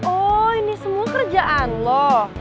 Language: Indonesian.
oh ini semua kerjaan loh